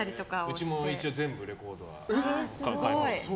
うちも全部レコードは買います。